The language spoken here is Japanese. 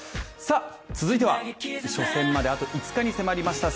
続いては、初戦まであと５日に迫りました